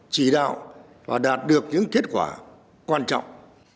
chỉ đạo và đạt được những kết quả quan trọng